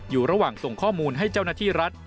อยู่ระหว่างส่งข้อมูลให้เจ้าหน้าที่รัฐ